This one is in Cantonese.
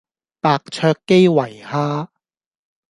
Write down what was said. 白灼基圍蝦